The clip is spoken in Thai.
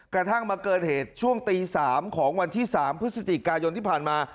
กระทั่งมาเกิดเหตุช่วงตี๓ของวันที่๓พฤศจิกายนที่ผ่านมา